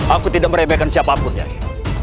aku tidak meremehkan siapapun ya